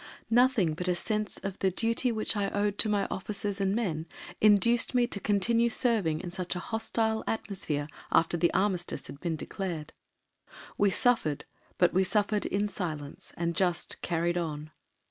Nothing but a sense of the duty which I owed to my officers and men induced me to continue serving in such a hostile atmosphere after the armistice had been declared. We suffered, but we suffered in silence, and just "carried on."